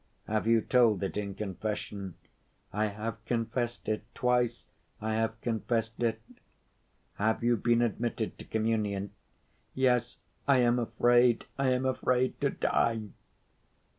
"Have you told it in confession?" "I have confessed it. Twice I have confessed it." "Have you been admitted to Communion?" "Yes. I am afraid. I am afraid to die."